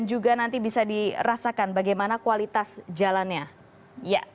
dan juga nanti bisa dirasakan bagaimana kualitas jalannya